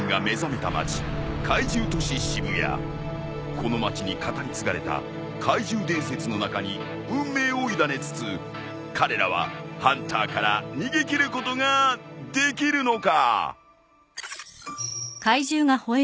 この街に語り継がれた怪獣伝説の中に運命を委ねつつ彼らはハンターから逃げ切ることができるのか！？